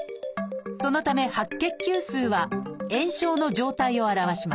そのため白血球数は炎症の状態を表します。